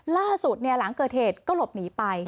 ล่าสุดหลังเกิดเหตุก็หลบหนีไป